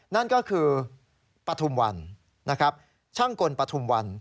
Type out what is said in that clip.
นั่นก็คือปฐุมวันนะครับช่างกลปฐุมวัน